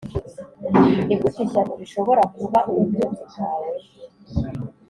nigute ishyano rishobora kuba ubutunzi bwawe